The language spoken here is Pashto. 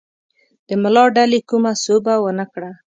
د ملا ډلې کومه سوبه ونه کړه.